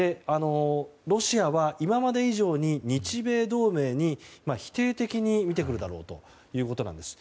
ロシアは、今まで以上に日米同盟に否定的に見てくるだろうということなんです。